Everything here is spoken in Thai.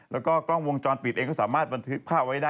แล้วก็กล้องวงจรปิดเองก็สามารถบันทึกภาพไว้ได้